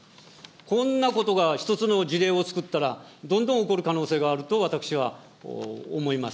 こんなことが一つの事例をつくったら、どんどん起こる可能性があると私は思います。